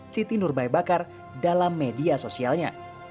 siti nurbay bakar dalam media sosialnya